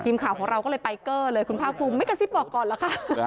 ทีมข่าวของเราก็เลยไปเกอร์เลยคุณภาคภูมิไม่กระซิบบอกก่อนเหรอคะ